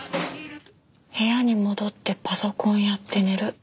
部屋に戻ってパソコンやって寝る。